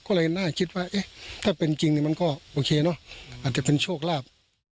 ก็เลยน่าคิดว่าเอ๊ะถ้าเป็นจริงมันก็โอเคเนอะอาจจะเป็นโชคลาภ